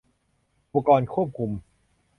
อุปกรณ์ควบคุม